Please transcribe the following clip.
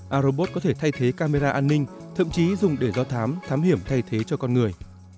a robot có thể thay thế camera an ninh thậm chí dùng để do thám thám hiểm thay thế cho con người